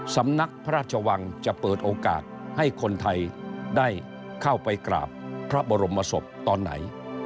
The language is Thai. สำนักพระราชวังจะเปิดโอกาสให้คนไทยได้เข้าไปกราบพระบรมศพตอนไหน